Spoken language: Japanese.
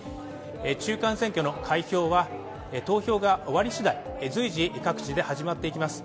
中間選挙の開票は投票が終わりしだい、随時各地で始まっていきます。